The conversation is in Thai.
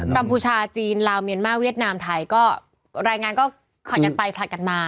มพูชาจีนลาวเมียนมาเวียดนามไทยก็รายงานก็ผลัดกันไปผลัดกันมา